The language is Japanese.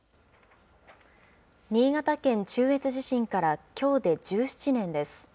新潟県中越地震からきょうで１７年です。